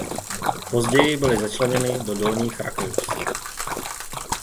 Později byly začleněny do Dolních Rakous.